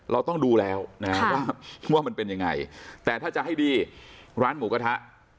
เราต้องดูแล้วนะฮะว่ามันเป็นยังไงแต่ถ้าจะให้ดีร้านหมูกระทะ